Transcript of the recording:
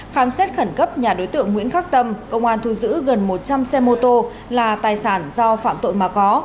khám xét khẩn cấp nhà đối tượng nguyễn khắc tâm công an thu giữ gần một trăm linh xe mô tô là tài sản do phạm tội mà có